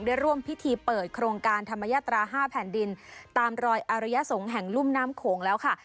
ได้ร่วมพิธีเปิดโครงการธรรมยาตรา๕แผ่นดินตามรอยอารยสงฆ์แห่งรุ่มน้ำโขงแล้วค่ะ